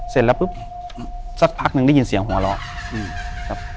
เสร็จแล้วปุ๊บสักพักหนึ่งได้ยินเสียงหัวเราะครับ